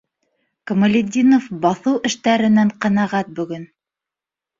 Камалетдинов баҫыу эштәренән ҡәнәғәт бөгөн.